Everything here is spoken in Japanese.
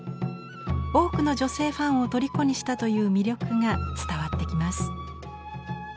多くの女性ファンを虜にしたという魅力が伝わってきます。